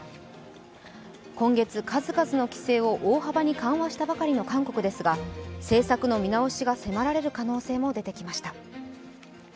今月、数々の規制を大幅に緩和したばかりの韓国ですが政策の見直しが迫られる可能性も出てきました。